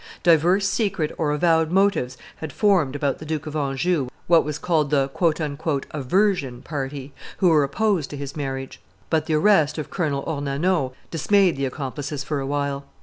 Divers secret or avowed motives had formed about the Duke of Anjou what was called the "aversion" party, who were opposed to his marriage; but the arrest of Colonel Ornano dismayed the accomplices for a while.